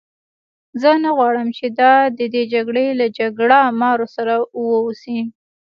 زه نه غواړم چې دا د دې جګړې له جګړه مارو سره وه اوسي.